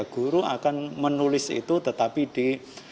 guru akan menulis itu tetapi di